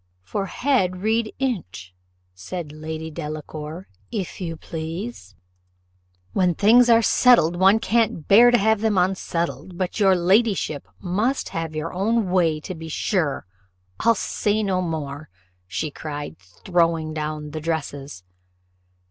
"For head read inch," said Lady Delacour, "if you please." "When things are settled, one can't bear to have them unsettled but your ladyship must have your own way, to be sure I'll say no more," cried she, throwing down the dresses.